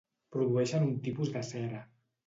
Produeixen un tipus de cera.